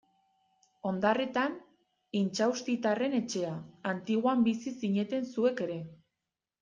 Ondarretan Intxaustitarren etxea, Antiguan bizi zineten zuek ere.